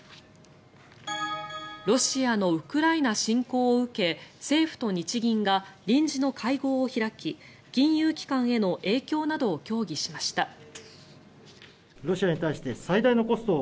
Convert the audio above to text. ロシアのウクライナ侵攻を受け政府と日銀が臨時の会合を開き金融機関への影響などを協議しました。